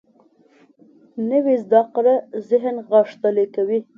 نوې زده کړه ذهن غښتلی کوي